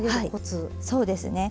はいそうですね。